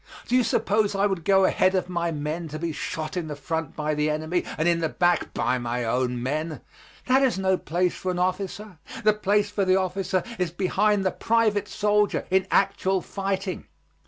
Do you suppose I would go ahead of my men to be shot in the front by the enemy and in the back by my own men? That is no place for an officer. The place for the officer is behind the private soldier in actual fighting.